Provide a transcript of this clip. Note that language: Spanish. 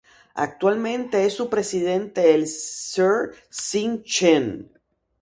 Actualmente es su presidente el Sr. Sean Chen.